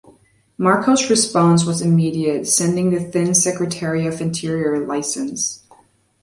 Marcos's response was immediate, sending the then Secretary of Interior, Lic.